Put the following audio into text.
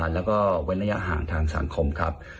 แล้วก็เว้นระยะห่างทางสังคมครับ